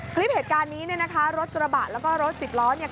คลิปเหตุการณ์นี้เนี่ยนะคะรถกระบะแล้วก็รถสิบล้อเนี่ย